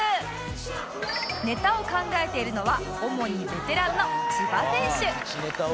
ネタを考えているのは主にベテランの千葉選手